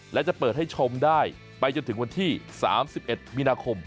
และจะเปิดให้ชมได้ไปจนถึงวันที่๓๑มีนาคม